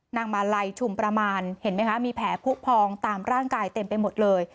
มาลัยชุมประมาณเห็นไหมคะมีแผลผู้พองตามร่างกายเต็มไปหมดเลย